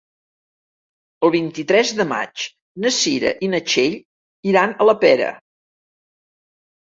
El vint-i-tres de maig na Cira i na Txell iran a la Pera.